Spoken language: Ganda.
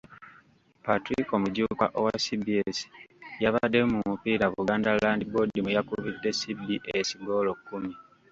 Patricko Mujuuka owa CBS yabaddemu mu mupiira Buganda Land Board mweyakubidde CBS ggoolo kkumi.